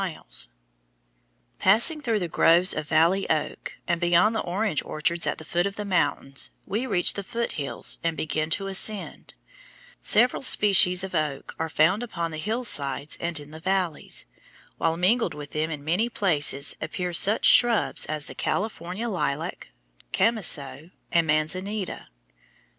[Illustration: FIG. 122. FOREST BELT OF THE FOOT HILLS, SIERRA NEVADA MOUNTAINS] Passing through the groves of valley oak, and beyond the orange orchards at the foot of the mountains, we reach the foot hills and begin to ascend. Several species of oak are found upon the hillsides and in the valleys, while mingled with them in many places appear such shrubs as the California lilac, chamiso, and manzanita.